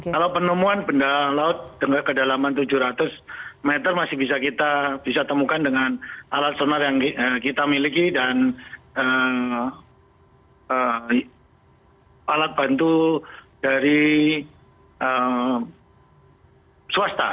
kalau penemuan benda laut dengan kedalaman tujuh ratus meter masih bisa kita bisa temukan dengan alat sonar yang kita miliki dan alat bantu dari swasta